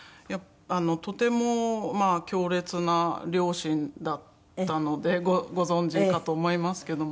とても強烈な両親だったのでご存じかと思いますけども。